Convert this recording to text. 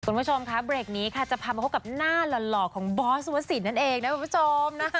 คุณผู้ชมค่ะเบรกนี้ค่ะจะพามาพบกับหน้าหล่อของบอสวสินนั่นเองนะคุณผู้ชมนะคะ